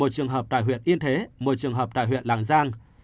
một mươi một trường hợp tại huyện yên thế một trường hợp tại huyện lạng giang